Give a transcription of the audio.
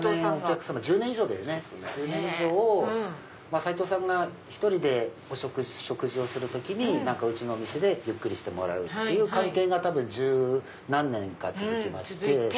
齋藤さんが１人で食事をする時にうちのお店でゆっくりしてもらうって関係が１０何年か続きまして。